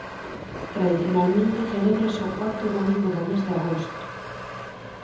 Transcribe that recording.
Tradicionalmente celébrase o cuarto domingo do mes de agosto.